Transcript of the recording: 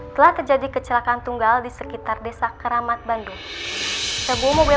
telah terjadi kecelakaan tunggal di sekitar desa keramat bandung sebuah mobil